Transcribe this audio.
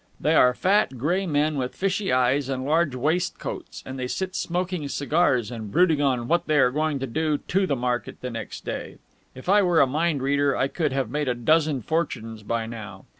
They are fat, grey men with fishy eyes and large waistcoats, and they sit smoking cigars and brooding on what they are going to do to the market next day. If I were a mind reader I could have made a dozen fortunes by now.